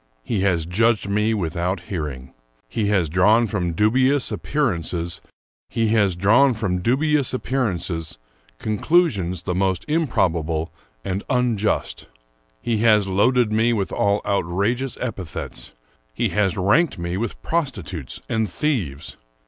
He has judged me without hearing. He has drawn from dubious appearances conclusions the most improbable and unjust. He has loaded me with all outrageous epithets. He has ranked me with prostitutes and thieves.